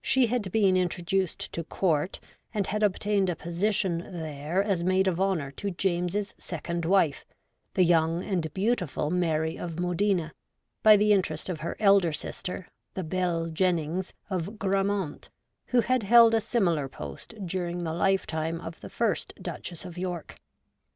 She had been introduced to Court, and had obtained a position there as maid of honour to James's second wife, the young and beautiful Mary of Modena, by the interest of her elder sister, the 'Belle Jennings ' of Grammont, who had held a similar post during the lifetime of the first Duchess of York.